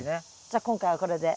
じゃ今回はこれで。